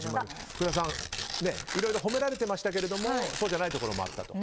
福田さん、いろいろ褒められていましたけどそうじゃないところもあったと。